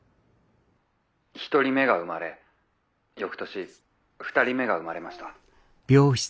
１人目が生まれ翌年２人目が生まれました」。